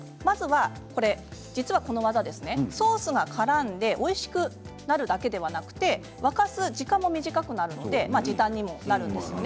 実はこの技ソースがからんでおいしくなるだけじゃなくて沸かす時間も短くなるので時短にもなるんです。